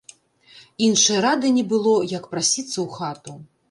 Іншай рады не было, як прасіцца ў хату.